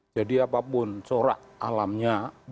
jadi apapun corak alamnya